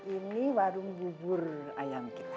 ini warung bubur ayam kita